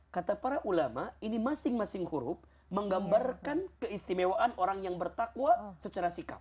kata para ulama ini masing masing huruf menggambarkan keistimewaan orang yang bertakwa secara sikap